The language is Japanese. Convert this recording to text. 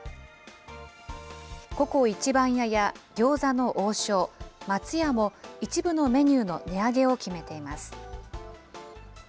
番屋や餃子の王将、松屋も一部のメニューの値上げを決めています。